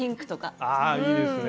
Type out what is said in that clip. ああいいですね。